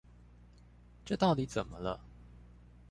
這到底怎麼了？